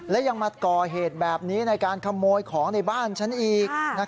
และยังมาก่อเหตุแบบนี้ในการขโมยของในบ้านฉันอีก